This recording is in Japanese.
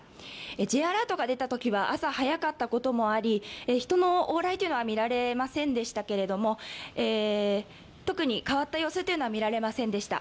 Ｊアラートが出たときは朝早かったこともあり、人の往来というのは見られませんでしたけれども特に変わった様子というのは見られませんでした。